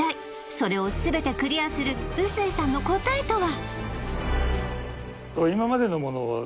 それを全てクリアする臼井さんの答えとは？